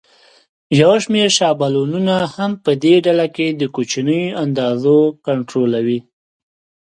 یو شمېر شابلونونه هم په دې ډله کې د کوچنیو اندازو کنټرولوي.